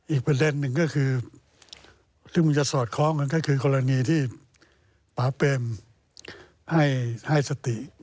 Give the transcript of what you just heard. อีกประเด็นหนึ่งก็คือซึ่งมันจะสอดคล้องกันก็คือกรณีที่ป๊าเปมให้สติ